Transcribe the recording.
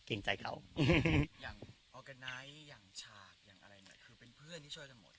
เกรงใจเขาอย่างอย่างฉากอย่างอะไรหน่อยคือเป็นเพื่อนที่ช่วยทั้งหมด